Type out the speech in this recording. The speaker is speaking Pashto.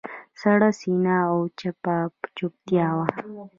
سړه سینه او چپه چوپتیا وه.